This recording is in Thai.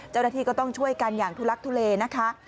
เจ้าหน้าที่ก็ต้องช่วยกันอย่างทุลักทุเลนะคะ